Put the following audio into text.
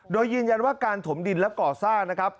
โดยยืนยันว่าการถมดินและก่อสร้างนะครับ